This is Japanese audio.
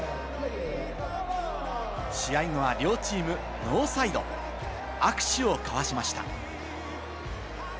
試合後は両チームノーサイド、握手を交わしました。